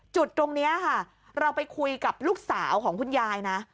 จุดตรงนี้ค่ะเราไปคุยกับลูกสาวของคุณยายนะ